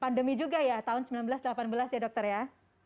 pandemi juga ya tahun seribu sembilan ratus delapan belas ya dokter ya